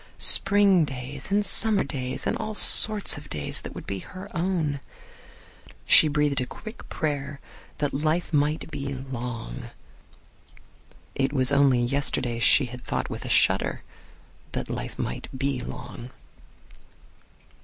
Spring days, and summer days, and all sorts of days that would be her own. She breathed a quick prayer that life might be long. It was only yesterday she had thought with a shudder that life might be long.